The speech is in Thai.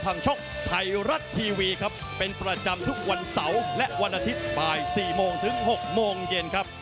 ชกไทยรัฐทีวีครับเป็นประจำทุกวันเสาร์และวันอาทิตย์บ่าย๔โมงถึง๖โมงเย็นครับ